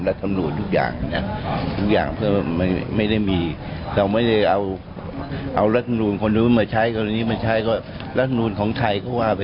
รักษ์นูนของไทยก็มาไปตามถ้าย